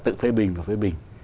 tự phê bình và phê bình